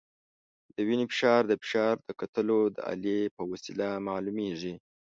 د وینې فشار د فشار د کتلو د الې په وسیله معلومېږي.